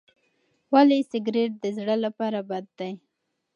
ولې سګریټ د زړه لپاره بد دی؟